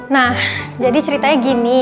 nah jadi ceritanya gini